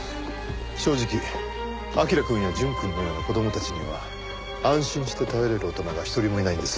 正直彬くんや淳くんのような子供たちには安心して頼れる大人が一人もいないんです。